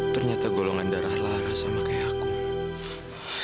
ternyata golongan darah lara sama kayak aku